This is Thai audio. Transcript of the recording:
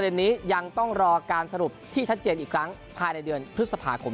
เนื่องจากว่าง่ายต่อระบบการจัดการโดยคาดว่าจะแข่งขันได้วันละ๓๔คู่ด้วยที่บางเกาะอารีน่าอย่างไรก็ตามครับประเด็นนี้ยังตามครับ